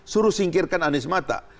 suruh singkirkan anies mata